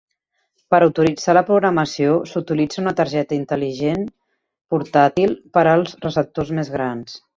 Per autoritzar la programació, s'utilitza una targeta intel·ligent portàtil per als receptors més grans.